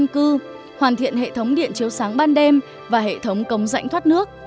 cư hoàn thiện hệ thống điện chiếu sáng ban đêm và hệ thống cống rãnh thoát nước